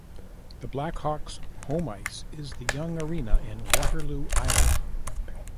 The Black Hawks' home ice is the Young Arena in Waterloo, Iowa.